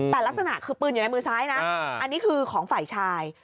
แต่ลักษณะคือปืนอยู่ในมือซ้ายนะอันนี้คือของฝ่ายชาย